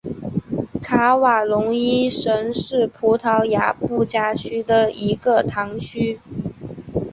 卡瓦隆伊什是葡萄牙布拉加区的一个堂区。